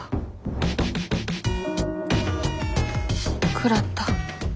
食らった。